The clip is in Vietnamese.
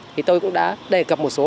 thì tôi cũng đã đề cập một số